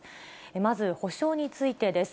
まず補償についてです。